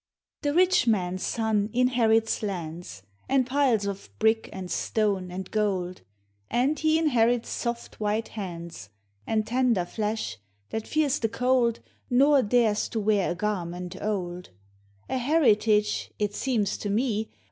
The rich man's son inherits lands, And piles of brick, and stone, and gold, And he inherits soft, white hands, And tender llesh that fears the cold, Nor dares to wear a garment old; Digitized by Google YOUTH. 257 A heritage, it seems to me.